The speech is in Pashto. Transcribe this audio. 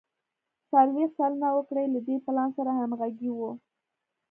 څلوېښت سلنه وګړي له دې پلان سره همغږي وو.